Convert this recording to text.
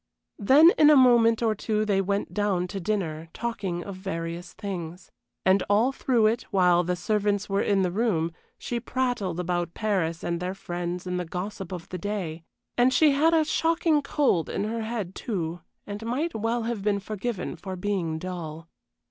Then in a moment or two they went down to dinner, talking of various things. And all through it, while the servants were in the room, she prattled about Paris and their friends and the gossip of the day; and she had a shocking cold in her head, too, and might well have been forgiven for being dull.